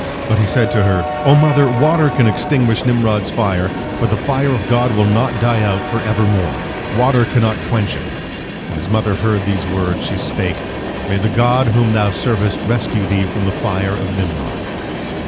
But he said to her: "O mother, water can extinguish Nimrod's fire, but the fire of God will not die out for evermore. Water cannot quench it." When his mother heard these words, she spake, "May the God whom thou servest rescue thee from the fire of Nimrod!"